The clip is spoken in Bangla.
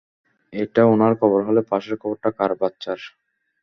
এটা উনার কবর হলে, পাশের কবরটা কার বাচ্চার?